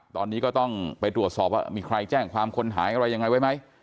ตอนนี้ก็ต้องไปตรวจสอบว่ามีใครแจ้งความคนหายอะไรยังไงไว้ไหม